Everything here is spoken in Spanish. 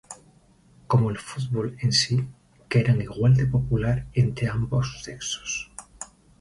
Como el fútbol en sí, que eran igual de popular entre ambos sexos.